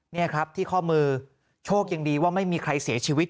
นี่ครับที่ข้อมือโชคยังดีว่าไม่มีใครเสียชีวิต